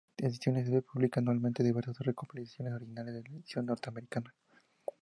Ediciones B publica anualmente diversos recopilatorios originales de la edición norteamericana.